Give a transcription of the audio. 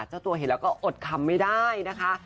เจ้าตัวเห็นแล้วก็อดคำไม่ได้นะคะ